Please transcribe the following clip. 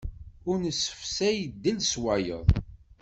Ur nessefsay ddel s wayeḍ.